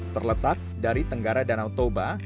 terletak dari tenggara danau toba